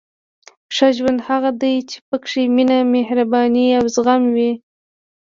• ښه ژوند هغه دی چې پکې مینه، مهرباني او زغم وي.